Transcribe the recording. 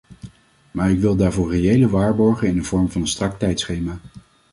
Maar ik wil daarvoor reële waarborgen in de vorm van een strak tijdschema.